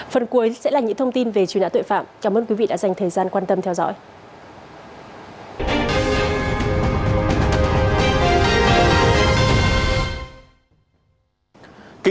phần cuối sẽ là những thông tin về truy nã tội phạm cảm ơn quý vị đã dành thời gian quan tâm theo dõi